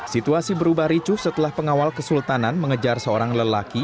situasi berubah ricu setelah pengawal kesultanan mengejar seorang lelaki